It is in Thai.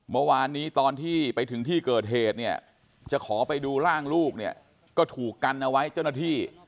เมื่อวานนี้ตอนที่ไปถึงที่เกิดเหตุเนี่ยจะขอไปดูร่างลูกเนี่ยก็ถูกกันเอาไว้เจ้าหน้าที่